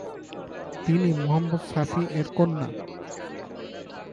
তিনি মুহাম্মদ সাফি এর কন্যা।